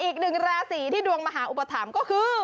อีกหนึ่งราศีที่ดวงมหาอุปถัมภ์ก็คือ